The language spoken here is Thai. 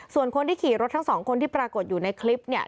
ส่วนคนที่ขี่รถทั้งสองคนที่ปรากฏอยู่ในคลิปเนี่ย